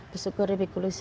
bersyukur lebih kulus